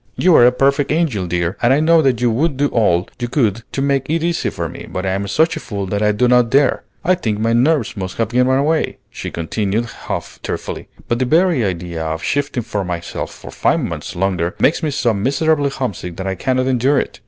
You are a perfect angel, dear, and I know that you would do all you could to make it easy for me, but I am such a fool that I do not dare. I think my nerves must have given way," she continued half tearfully; "but the very idea of shifting for myself for five months longer makes me so miserably homesick that I cannot endure it.